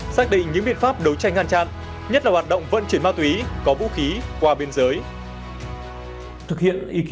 xác định những biện pháp đấu tranh ngăn chặn nhất là hoạt động vận chuyển ma túy có vũ khí qua biên giới